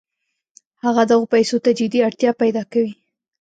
هغه دغو پیسو ته جدي اړتیا پیدا کوي